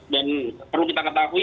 dan perlu kita ketahui